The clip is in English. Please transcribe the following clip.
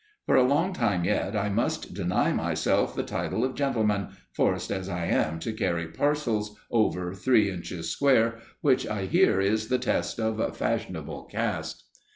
For a long time yet I must deny myself the title of gentleman, forced as I am to carry parcels "over three inches square," which I hear is the test of fashionable caste.